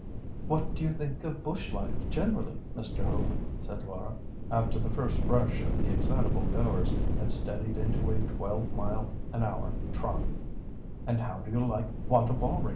"What do you think of bush life generally, Mr. Hope?" said Laura—after the first rush of the excitable goers had steadied into a twelve mile an hour trot—"and how do you like Wantabalree?"